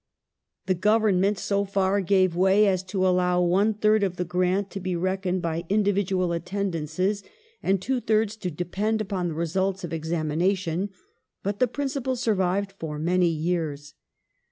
The Government so far gave way as to allow one third of the grant to be reckoned by individual attendances, and two thirds to depend upon the results of examination ; but the principle survived for many years.